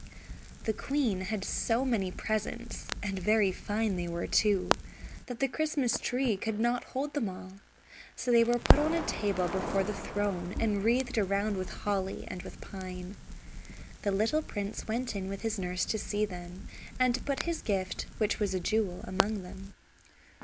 The queen had so many presents, and very fine they were, too, that the Christmas Tree could not hold them all, so they were put on a table before the throne and wreathed around with holly and with pine. The little prince went in with his nurse to see them, and to put his gift, which was a jewel, among them.